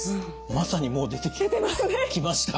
まさにもう出てきました。